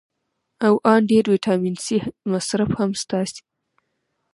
او ان ډېر ویټامین سي مصرف هم ستاسې